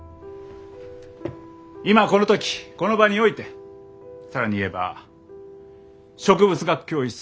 今この時この場において更に言えば植物学教室